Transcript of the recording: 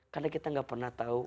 karena kita gak pernah tahu